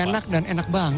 enak dan enak banget